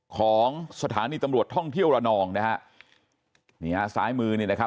ของสถานีตำรวจท่องเที่ยวระนองนะฮะนี่ฮะซ้ายมือนี่นะครับ